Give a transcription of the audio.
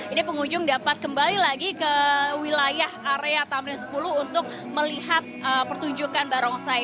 ini pengunjung dapat kembali lagi ke wilayah area tamrin sepuluh untuk melihat pertunjukan barongsai